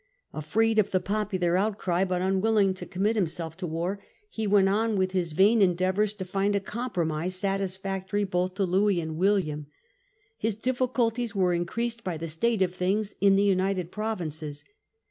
Afraid of the popular outcry, but unwilling to commit himself to war, 253 1678 . Offers^ of Louis to the Dutch . he went on with his vain endeavours to find a compro mise satisfactory both to Louis and William. His diffi culties were increased by the state of things in the United Provinces.